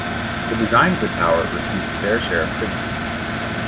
The design of the tower received a fair share of criticism.